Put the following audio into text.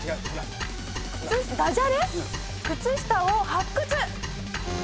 ダジャレ⁉靴下を発掘！